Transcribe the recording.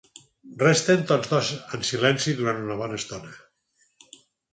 Resten tots dos en silenci durant una bona estona.